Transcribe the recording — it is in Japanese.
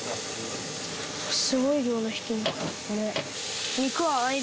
すごい量の挽き肉。